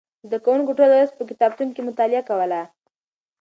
زده کوونکو ټوله ورځ په کتابتون کې مطالعه کوله.